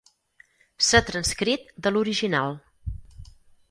S'ha transcrit de l'original.